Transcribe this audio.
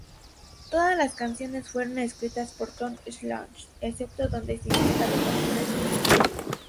Todas las canciones fueron escritas por Tom Scholz, excepto donde se indica lo contrario.